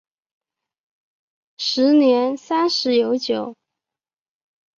时年三十有九。